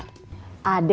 harus yang sudah dewasa